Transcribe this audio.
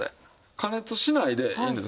加熱しないでいいんです。